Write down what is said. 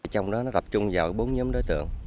trong đó nó tập trung vào bốn nhóm đối tượng